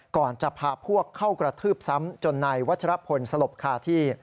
ก่อนจะพาพวกเข้ากระทืบซ้ำจนนายวัชรพลสลบคาที่